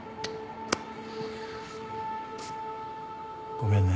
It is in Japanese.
ごめんね